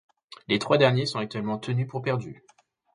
Les trois derniers sont actuellement tenus pour perdus.